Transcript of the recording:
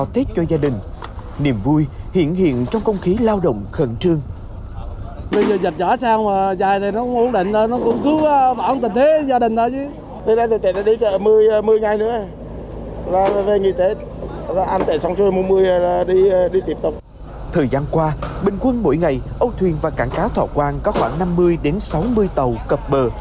thời gian qua bình quân mỗi ngày âu thuyền và cảng cá thọ quang có khoảng năm mươi sáu mươi tàu cập bờ